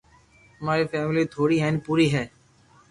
اماري فيملي ٿوڙي ھين پوري ھي